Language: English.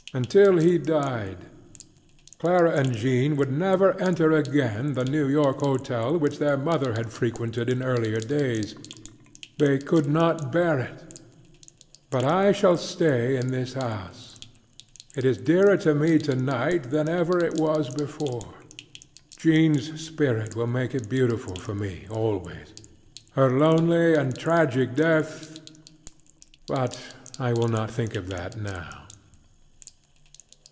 Until he died. Clara and Jean would never enter again the New York hotel which their mother had frequented in earlier days. They could not bear it. But I shall stay in this house. It is dearer to me tonight than ever it was before. JeanŌĆÖs spirit will make it beautiful for me always. Her lonely and tragic deathŌĆöbut I will not think of that now.